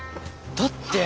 だって。